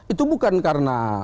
itu bukan karena